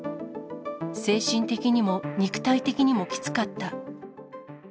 精神的にも肉体的にもきつかった。